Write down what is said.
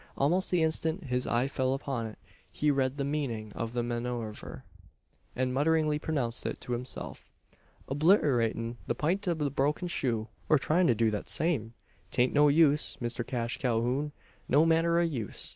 Almost the instant his eye fell upon it, he read the meaning of the manoeuvre, and mutteringly pronounced it to himself. "Oblitturatin' the print o' the broken shoe, or tryin' to do thet same! 'Taint no use, Mister Cash Calhoun no manner o' use.